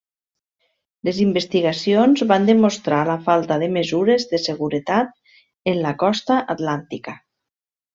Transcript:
Les investigacions van demostrar la falta de mesures de seguretat en la costa atlàntica.